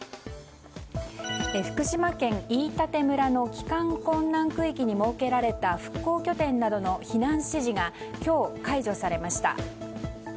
福島県飯舘村の帰還困難区域に設けられた復興拠点などの避難指示が今日、解除されました。